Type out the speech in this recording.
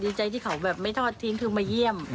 ดีใจที่เขาแบบไม่ทอดทิ้งคือมาเยี่ยม